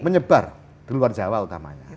menyebar di luar jawa utamanya